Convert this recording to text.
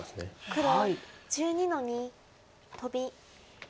黒１２の二トビ。